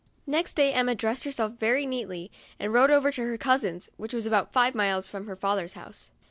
Next day Emma dressed herself very neatly, and rode over to her cousin's, which was about five miles from her father's house.